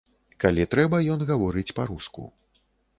Калі трэба, ён гаворыць па-руску.